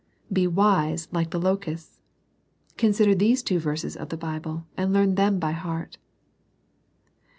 Be wise, like the locusts. Consider these two verses of the Bible, and learn them by heart.